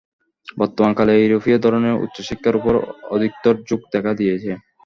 বর্তমানকালে ইউরোপীয় ধরনে উচ্চ শিক্ষার উপর অধিকতর ঝোঁক দেখা দিয়াছে।